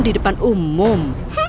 di depan umum